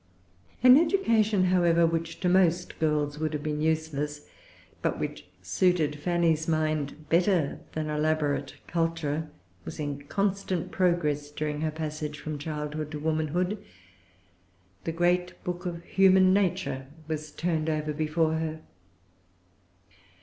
An education, however, which to most girls would have been useless, but which suited Fanny's mind better than elaborate culture, was in constant progress during her passage from childhood to womanhood. The great book of human nature was turned over before her.